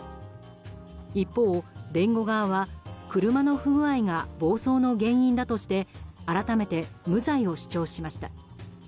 一方、弁護側は車の不具合が暴走の原因だとして改めて無罪を主張しました。